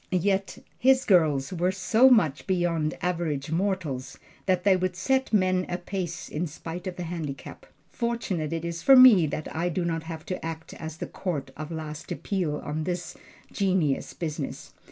Yet his girls were so much beyond average mortals that they would set men a pace in spite of the handicap. Fortunate it is for me that I do not have to act as the court of last appeal on this genius business.